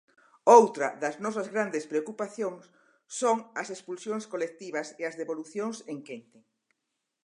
Outra das nosas grandes preocupacións son as expulsións colectivas e as devolucións en quente.